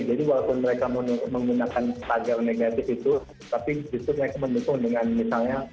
jadi walaupun mereka menggunakan tagar negatif itu tapi justru mereka mendukung dengan misalnya